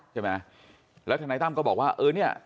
ใช่ไหมแล้วทนายตั้มก็บอกว่าเออเนี่ย